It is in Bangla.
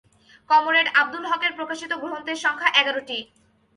কমরেড আবদুল হকের প্রকাশিত গ্রন্থের সংখ্যা এগারটি।